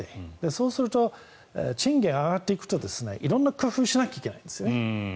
そうすると賃金を上げていくと色んな工夫をしなきゃいけないんですね。